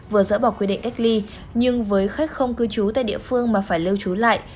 vừa dỡ bỏ quy định cách ly nhưng với khách không cư trú tại địa phương mà phải lưu trú lại